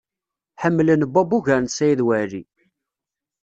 Ḥemmlen Bob ugar n Saɛid Waɛli.